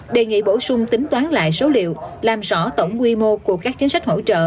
đề nghị bổ sung tính toán lại số liệu làm rõ tổng quy mô của các chính sách hỗ trợ